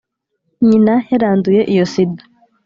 nyina yaranduye iyo sida